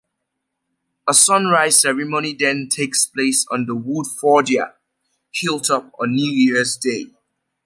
A Sunrise Ceremony then takes place on the Woodfordia hilltop on New Year's Day.